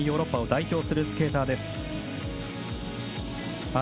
本当にヨーロッパを代表するスケーターです。